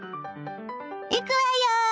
いくわよ！